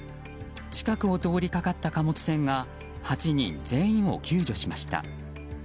近くを通りかかった貨物船が８人全員を救助しました。